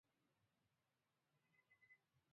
دی د پنجشیر د مشهور قوماندان احمد شاه مسعود سکرتر وو.